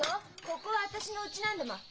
ここは私のうちなんだもん。